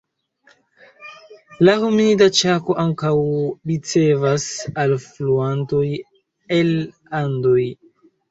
La Humida Ĉako ankaŭ ricevas alfluantoj el Andoj.